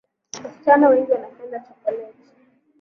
Wasichana wengi wanapenda chokoleti